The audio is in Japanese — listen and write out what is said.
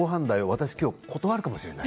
私、断るかもしれない。